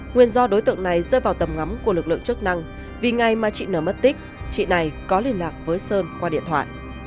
nguyên do đối tượng này rơi vào tầm ngắm của lực lượng chức năng vì ngày mà chị nờ mất tích chị này có liên lạc với sơn qua điện thoại